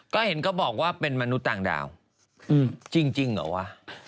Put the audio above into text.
ก็เห็นก็บอกว่าเป็นมนุษย์ต่างดาวจริงเหรอวะ